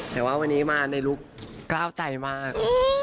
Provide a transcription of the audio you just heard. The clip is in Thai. แต่ว่าวันนี้มาในลุคกล้าวใจมาก